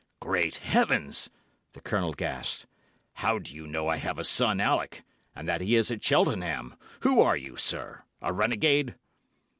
"Great Heavens," the Colonel gasped, "how do you know I have a son Alec, and that he is at Cheltenham. Who are you, sir? A renegade?"